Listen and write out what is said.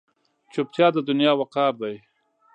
چوپتیا، د دنیا وقار دی.